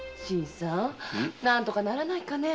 何とかならないかねェ。